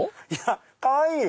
かわいい！